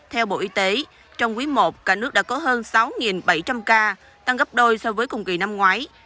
theo bộ y tế trong quý i cả nước đã có hơn sáu bảy trăm linh ca tăng gấp đôi so với cùng kỳ năm ngoái